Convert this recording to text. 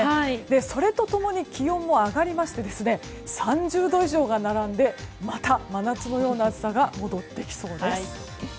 それと共に気温も上がりまして３０度以上が並んでまた真夏のような暑さが戻ってきそうです。